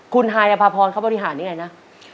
คุณฮายนภาพรเขาบริหารยังไงนะ